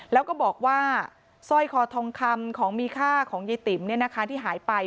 แล้วก็บอกว่าสร้อยคอทองคำของมีค่าของยายติ๋มที่หายไป